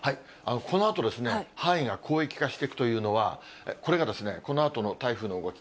このあと範囲が広域化していくというのは、これがこのあとの台風の動き。